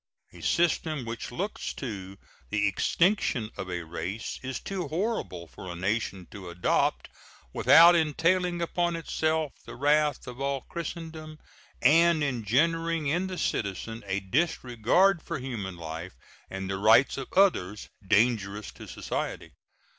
A system which looks to the extinction of a race is too horrible for a nation to adopt without entailing upon itself the wrath of all Christendom and engendering in the citizen a disregard for human life and the rights of others, dangerous to society.